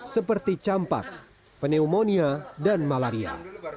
seperti campak pneumonia dan malaria